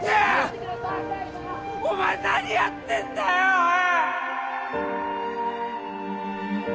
お前何やってんだよおい！